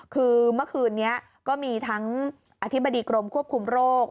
คือเมื่อคืนนี้ก็มีทั้งอธิบดีกรมควบคุมโรค